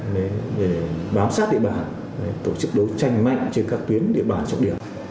để bám sát địa bản tổ chức đấu tranh mạnh trên các tuyến địa bản trọng điểm